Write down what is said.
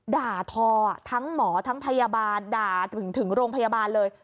ด่าทอทั้งหมอทั้งพยาบาลด่าถึงโรงพยาบาลเลย